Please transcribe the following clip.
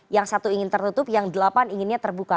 yang satu ingin tertutup yang delapan inginnya terbuka